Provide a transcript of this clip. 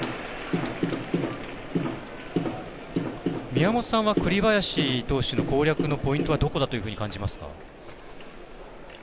宮本さんは栗林投手の攻略のポイントはどこだというふうに感じますか？